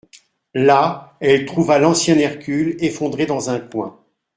Là, elle trouva l'ancien hercule effondré dans un coin.